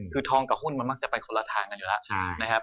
คือทองกับหุ้นมันมักจะไปคนละทางกันอยู่แล้วนะครับ